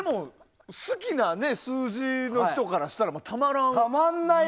好きな数字の人からしたらねたまらん。